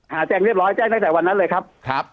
แจ้งเรียบร้อยแจ้งตั้งแต่วันนั้นเลยครับ